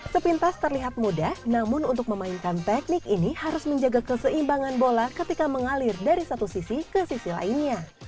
sepintas terlihat mudah namun untuk memainkan teknik ini harus menjaga keseimbangan bola ketika mengalir dari satu sisi ke sisi lainnya